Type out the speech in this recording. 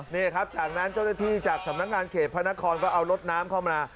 นี่ครับจากนั้นเจ้าหน้าที่จากสำนักงานเขตพระนครก็เอารถน้ำเข้ามา